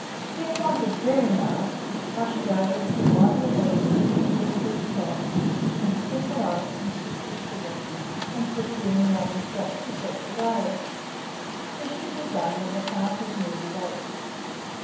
If wanted very nice, brush it over with the white of an egg beaten to a stiff froth, then sprinkle on it some sifted sugar, and put it in the oven just to set the glaze: this should be done when the tart is nearly baked.